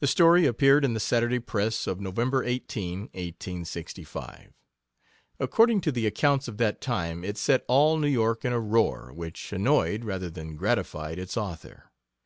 The story appeared in the Saturday Press of November 18, 1865. According to the accounts of that time it set all New York in a roar, which annoyed, rather than gratified, its author.